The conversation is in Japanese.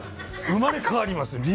生まれ変わります。